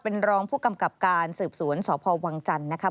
เป็นรองผู้กำกับการสืบสวนสพวังจันทร์นะคะ